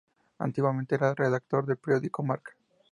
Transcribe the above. Antiguamente era redactor del periódico Marca.